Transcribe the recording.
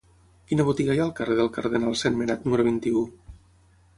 Quina botiga hi ha al carrer del Cardenal Sentmenat número vint-i-u?